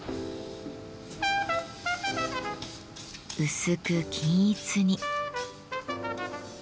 薄く均一に。